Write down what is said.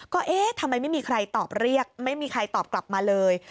ก็เอ๊ะทำไมไม่มีใครตอบเรียกไม่มีใครตอบกลับมาเลย